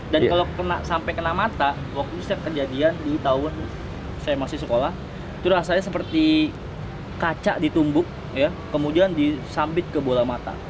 dan kalau sampai kena mata waktu itu saya kejadian di tahun saya masih sekolah itu rasanya seperti kaca ditumbuk kemudian disambit ke bola mata